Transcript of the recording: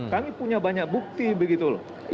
kami punya banyak bukti begitu loh